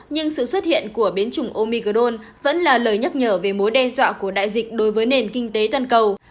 nhưng sự xuất hiện của biến chủng omi gold vẫn là lời nhắc nhở về mối đe dọa của đại dịch đối với nền kinh tế toàn cầu